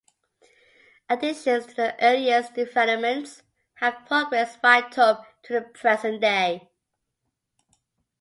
Additions to the earliest developments have progressed right up to the present day.